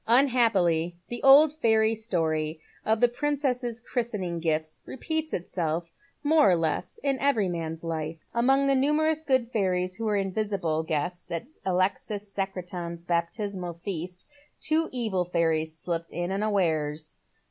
Unhappily, the old fairy story of the Piincess's christening gifts repeats itself more or less in every man's life. Among the numerous good fairies who were invisible guests at Alexis Secretan's baptismal feast two evil fairies slipped in imawares.